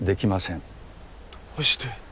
どうして？